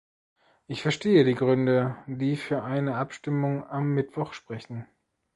Ich verstehe die Gründe, die für eine Abstimmung am Mittwoch sprechen.